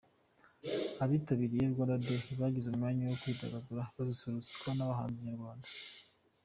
Abitabiriye Rwanda Day bagize umwanya wo kwidagadura basusurutswa n’abahanzi nyarwanda.